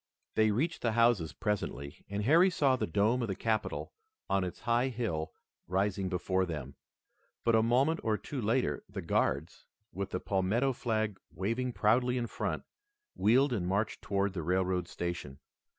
They reached the houses presently and Harry saw the dome of the capitol on its high hill rising before them, but a moment or two later the Guards, with the Palmetto flag waving proudly in front, wheeled and marched toward the railroad station.